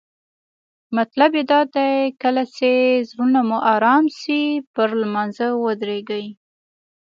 مطلب یې دا دی کله چې زړونه مو آرام شي پر لمانځه ودریږئ.